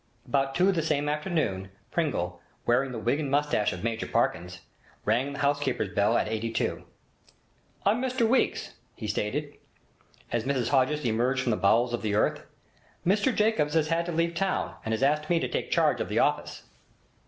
About two the same afternoon, Pringle, wearing the wig and moustache of Major Parkins, rang the housekeeper's bell at 82. 'I'm Mr Weeks,' he stated, as Mrs Hodges emerged from the bowels of the earth. 'Mr Jacobs has had to leave town, and has asked me to take charge of the office.'